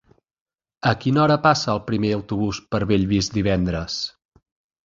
A quina hora passa el primer autobús per Bellvís divendres?